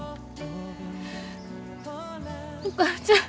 お母ちゃん！